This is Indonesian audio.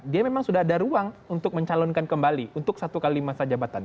dia memang sudah ada ruang untuk mencalonkan kembali untuk satu kali masa jabatan